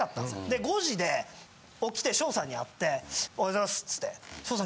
で５時で起きて翔さんに会っておはようございますって言って翔さん